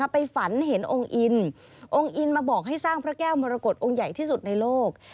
ฝันเห็นองค์อินองค์อินมาบอกให้สร้างพระแก้วมรกฏองค์ใหญ่ที่สุดในโลก